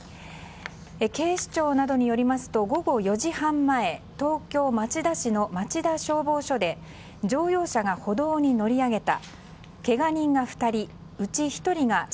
警視庁などによりますと午後４時半前東京・町田市の町田消防署で乗用車が歩道に乗り上げた。